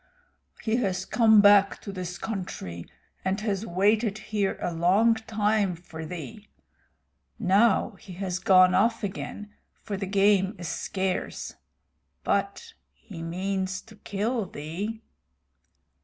"He has come back to this country, and has waited here a long time for thee. Now he has gone off again, for the game is scarce. But he means to kill thee."